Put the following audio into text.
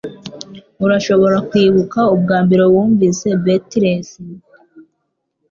Urashobora kwibuka ubwambere wumvise Beatles